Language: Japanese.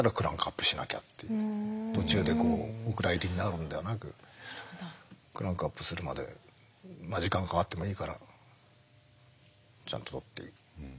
途中でお蔵入りになるんではなくクランクアップするまで時間かかってもいいからちゃんとって。